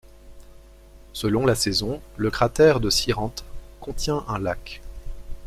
Selon la saison, le cratère de Sirente contient un lac.